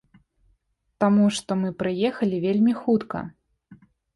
Таму што мы прыехалі вельмі хутка.